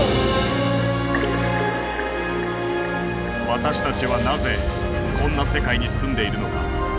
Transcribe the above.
私たちはなぜこんな世界に住んでいるのか。